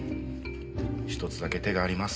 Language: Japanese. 一つだけ手があります。